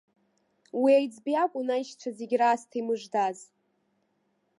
Уи аиҵбы иакәын аишьцәа зегь раасҭа имыждаз.